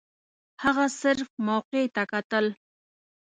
هغه صرف موقع ته کتل.